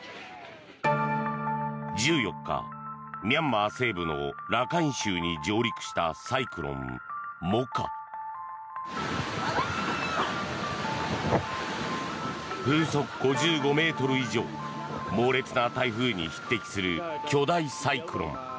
１４日、ミャンマー西部のラカイン州に上陸したサイクロン、モカ。風速５５ｍ以上猛烈な台風に匹敵する巨大サイクロン。